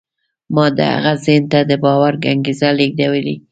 ما د هغه ذهن ته د باور انګېزه لېږدولې وه.